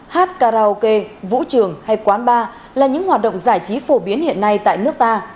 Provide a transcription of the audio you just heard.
hát karaoke vũ trường hay quán bar là những hoạt động giải trí phổ biến hiện nay tại nước ta